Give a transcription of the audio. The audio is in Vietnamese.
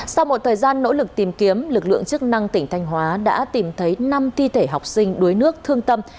sau một thời gian nỗ lực tìm kiếm lực lượng chức năng tỉnh thanh hóa đã tìm thấy năm thi thể học sinh đuối nước thương tâm